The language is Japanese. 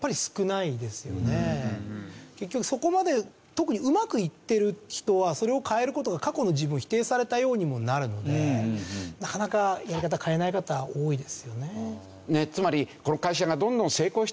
結局そこまで特に上手くいってる人はそれを変える事が過去の自分を否定されたようにもなるのでなかなかやり方変えない方多いですよね。